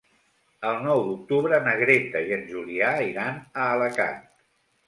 El nou d'octubre na Greta i en Julià iran a Alacant.